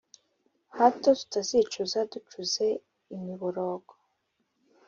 Hato tutazicuza ducuze imiborogo